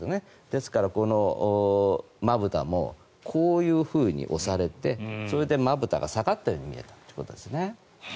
ですから、まぶたもこういうふうに押されてそれでまぶたが下がったように見えたということですね。